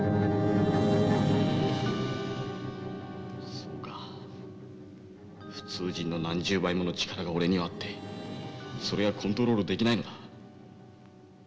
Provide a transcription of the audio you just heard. そうか普通人の何十倍もの力が俺にはあってそれがコントロールできないのだ。